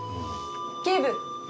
警部。